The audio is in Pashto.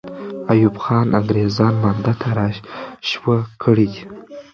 ایوب خان انګریزان مانده ته را شوه کړي دي.